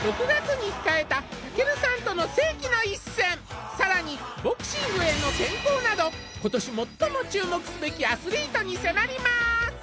６月に控えた武尊さんとの世紀の一戦さらにボクシングへの転向など今年最も注目すべきアスリートに迫ります